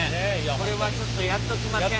これはちょっとやっときません？